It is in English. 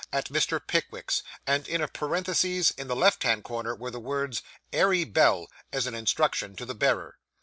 at Mr. Pickwick's; and in a parenthesis, in the left hand corner, were the words 'airy bell,' as an instruction to the bearer.